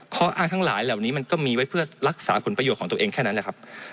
ข้ออ้างทั้งหลายเหล่านี้มันก็มีไว้เพื่อรักษาผลประโยชน์ของตัวเองแค่นั้นแหละครับ